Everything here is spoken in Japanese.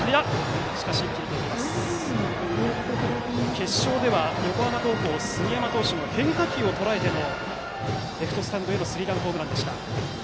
決勝では横山高校の杉山投手の変化球をとらえてのレフトスタンドへのスリーランホームランでした。